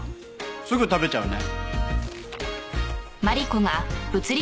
すぐ食べちゃうね。